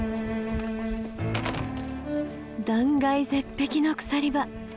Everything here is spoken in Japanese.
断崖絶壁の鎖場。